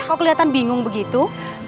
kok kelihatan bingung begitu